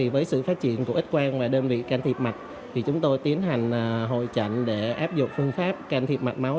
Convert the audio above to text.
với sự phát triển của ít quan và đơn vị can thiệp mạch chúng tôi tiến hành hồi trận để áp dụng phương pháp can thiệp mạch máu